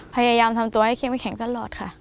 พยายามทำตัวให้เข้มแข็งตลอดค่ะ